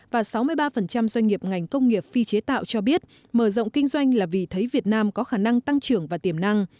và sáu mươi ba doanh nghiệp ngành công nghiệp phi chế tạo cho biết mở rộng kinh doanh là vì thấy việt nam có khả năng tăng trưởng và tiềm năng